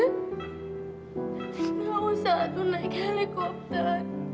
nggak usah lu naik helikopter